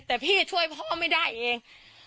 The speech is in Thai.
แต่พี่ช่วยพ่อไม่ได้เอง